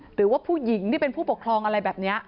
หรือว่าผู้หญิงที่เป็นผู้ปกครองอะไรแบบนี้